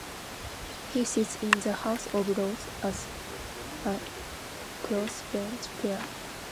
He sits in the House of Lords as a crossbench peer.